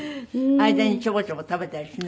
間にちょこちょこ食べたりしないの？